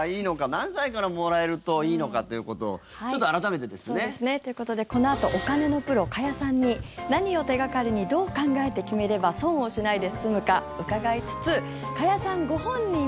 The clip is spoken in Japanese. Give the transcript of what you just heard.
何歳からもらえるといいのかということをちょっと、改めてですね。ということでこのあとお金のプロ、加谷さんに何を手掛かりにどう考えて決めれば人類はこの秋えっ？